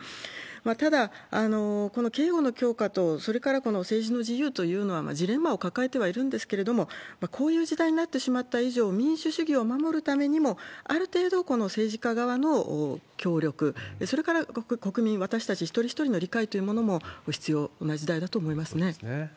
ただ、この警護の強化とそれからこの政治の自由というのは、ジレンマを抱えてはいるんですけれども、こういう時代になってしまった以上、民主主義を守るためにも、ある程度政治家側の協力、それから国民、私たち一人一人の理解というものも必要なものだと思いますね。